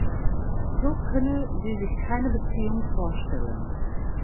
So könne sie sich keine Beziehung vorstellen.